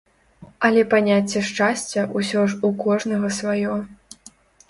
Але паняцце шчасця ўсё ж у кожнага сваё.